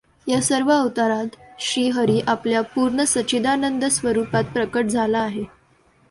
या सर्व अवतारांत श्री हरी आपल्या पूर्ण सच्चिदानंद स्वरुपांत प्रकट झाला आहे.